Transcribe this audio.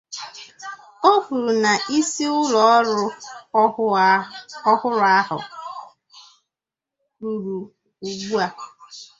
O kwuru na isi ụlọọrụ ọhụrụ ahụ a rụrụ ugbua